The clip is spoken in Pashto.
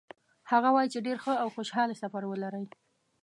هغه وایي چې ډېر ښه او خوشحاله سفر ولرئ.